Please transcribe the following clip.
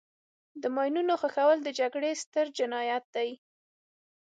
د ماینونو ښخول د جګړې ستر جنایت دی.